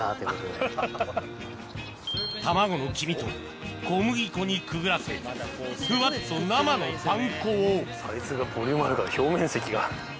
卵の黄身と小麦粉にくぐらせふわっと生のパン粉をボリュームあるから表面積が。